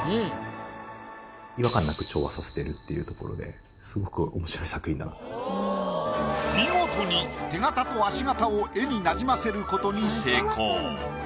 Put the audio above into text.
させてるっていうところで見事に手形と足形を絵に馴染ませることに成功。